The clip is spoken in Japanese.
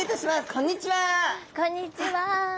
こんにちは。